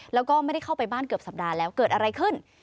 แล้วก็ไม่ได้เข้าไปบ้านเกือบสัปดาห์แล้วเกิดอะไรขึ้น